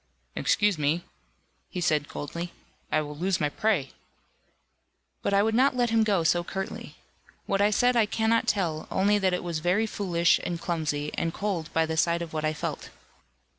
"Excuse me," he said coldly, "I will lose my prey." But I would not let him go so curtly. What I said I cannot tell, only that it was very foolish, and clumsy, and cold by the side of what I felt.